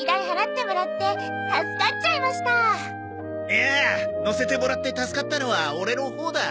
いやあ乗せてもらって助かったのはオレのほうだ。